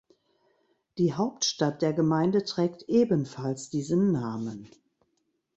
Die Hauptstadt der Gemeinde trägt ebenfalls diesen Namen.